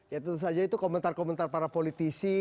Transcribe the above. ya tentu saja itu komentar komentar para politisi